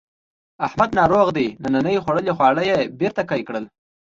احمد ناروغ دی ننني خوړلي خواړه یې بېرته قی کړل.